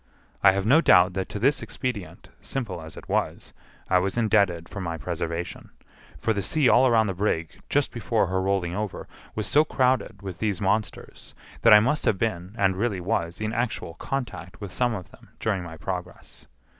I have no doubt that to this expedient, simple as it was, I was indebted for my preservation; for the sea all round the brig, just before her rolling over, was so crowded with these monsters, that I must have been, and really was, in actual contact with some of them during my progress.